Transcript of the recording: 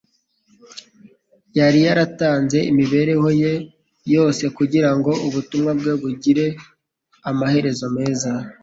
Yari yaratanze imibereho ye yose kugira ngo ubutumwa bwe bugire amaherezo meza.